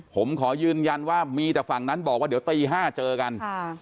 ผมขอยืนยันว่ามีแต่ฝั่งนั้นบอกว่าเดี๋ยวตี๕เจอกัน